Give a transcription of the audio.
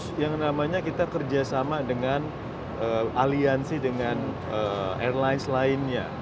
terus yang namanya kita kerjasama dengan aliansi dengan airlines lainnya